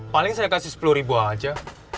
paling saya kasih sepuluh ribu aja